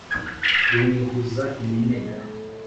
Runihuza iminega